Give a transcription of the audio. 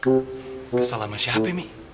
kesel sama siapa mi